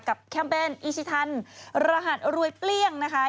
แคมเปญอีชิทันรหัสรวยเปลี้ยงนะคะ